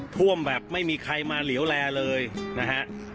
ท่วมแบบไม่มีใครมาเหลวแลเลยนะฮะ